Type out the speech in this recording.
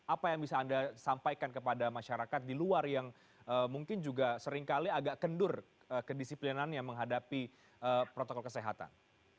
apa yang bisa anda sampaikan kepada masyarakat di luar yang mungkin juga seringkali agak kendur kedisiplinannya menghadapi protokol kesehatan